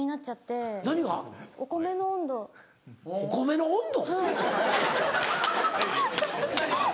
今「米の温度⁉」。